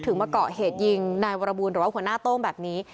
มาเกาะเหตุยิงนายวรบูลหรือว่าหัวหน้าโต้งแบบนี้